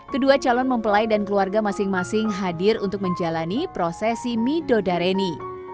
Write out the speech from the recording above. kedua calon mempelai dan keluarga masing masing hadir untuk menjalani prosesi midodareni